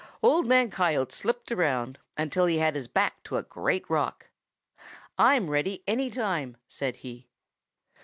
"Old Man Coyote slipped around until he had his back to a great rock. 'I'm ready any time,' said he.